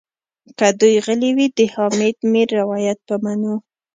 که دوی غلي وي د حامد میر روایت به منو.